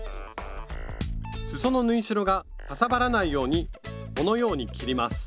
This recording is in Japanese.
すその縫い代がかさばらないようにこのように切ります。